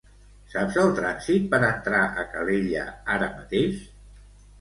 Saps el trànsit per entrar a Calella ara mateix?